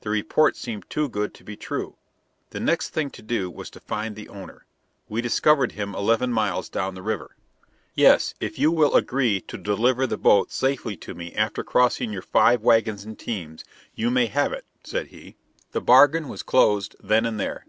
The report seemed too good to be true. The next thing to do was to find the owner. We discovered him eleven miles down the river. "Yes, if you will agree to deliver the boat safely to me after crossing your five wagons and teams, you may have it," said he. [Illustration: Digging out the scow.] The bargain was closed then and there.